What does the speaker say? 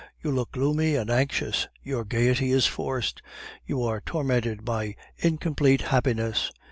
You look gloomy and anxious; your gaiety is forced. You are tormented by incomplete happiness.